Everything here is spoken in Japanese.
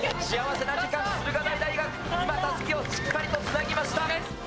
幸せな時間、駿河台大学、今、たすきをしっかりとつなぎました。